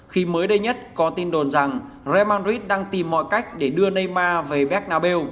khi mới đây nhất có tin đồn rằng real madrid đang tìm mọi cách để đưa neymar về bernabeu